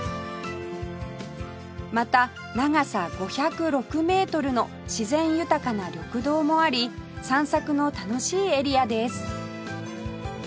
また長さ５０６メートルの自然豊かな緑道もあり散策の楽しいエリアです